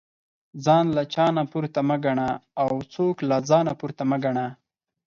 ځان له چانه پورته مه ګنه او څوک له ځانه پورته مه ګنه